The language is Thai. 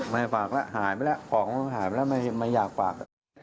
ไม่ฝากแล้วหายไปแล้วของมันหายไปแล้วไม่อยากฝาก